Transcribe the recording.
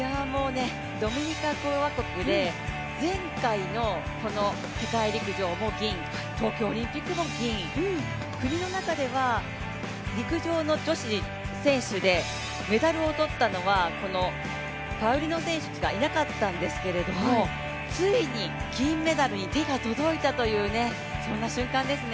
ドミニカ共和国で前回の世界陸上も銀、東京オリンピックも銀、国の中では陸上の女子選手でメダルを取ったのはこのパウリノ選手しかいなかったんですけれども、ついに金メダルに手が届いたという瞬間ですね。